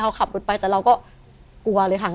เขาก็ขับรุตแพทย์แต่เราก็กลัวอะไรห่าง